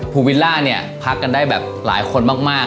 วิลล่าเนี่ยพักกันได้แบบหลายคนมาก